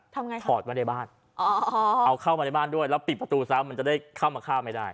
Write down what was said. ทำไงคะถอดไว้ในบ้านเอาเข้ามาในบ้านด้วยแล้วปิดประตูซ้ำมันจะได้เข้ามาฆ่าไม่ได้